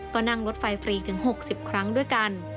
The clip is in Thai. ก็นั่งรถไฟฟรีถึง๖๐ครั้งด้วยกัน